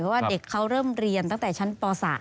เพราะว่าเด็กเขาเริ่มเรียนตั้งแต่ชั้นป๓